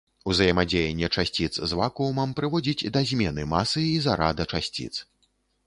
Узаемадзеянне часціц з вакуумам прыводзіць да змены масы і зарада часціц.